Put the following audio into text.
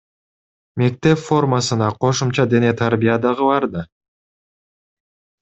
Мектеп формасына кошумча дене тарбия дагы бар да.